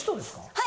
はい。